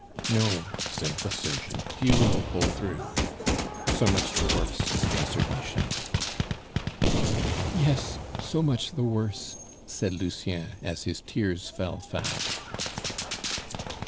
"No," said the surgeon, "he will pull through." "So much the worse," answered Michel. "Yes; so much the worse," said Lucien, as his tears fell fast.